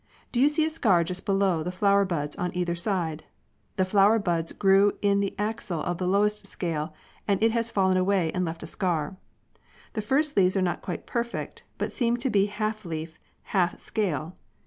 Do you see a scar just below the flower buds on either sidcf^ The flower buds grew in the axil of the lowest scale, and it has fall en away and left a scar. The first leaves are not quite perfect, but seem to be half leaf, half scale.